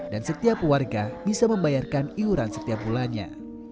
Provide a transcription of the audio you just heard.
dan setiap warga bisa membayarkan iuran setiap bulannya